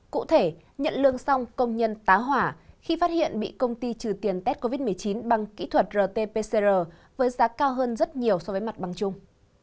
cụ thể nhận lương xong công nhân tá hỏa khi phát hiện bị công ty trừ tiền tết covid một mươi chín bằng kỹ thuật rt pcr với giá cao hơn rất nhiều so với mặt bằng chung